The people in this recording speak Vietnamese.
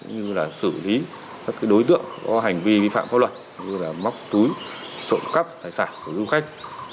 như xử lý các đối tượng có hành vi vi phạm pháp luật như móc túi trộn cắp thải sản của du khách